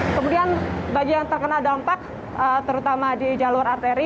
kemudian bagian terkena dampak terutama di jalur arteri